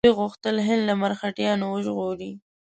دوی غوښتل هند له مرهټیانو وژغوري.